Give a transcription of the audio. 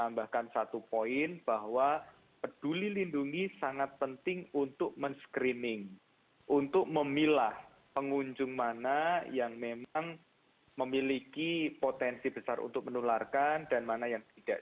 men screening untuk memilah pengunjung mana yang memang memiliki potensi besar untuk menularkan dan mana yang tidak